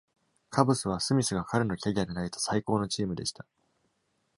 カブスは、スミスが彼のキャリアで投げた最高のチームでした。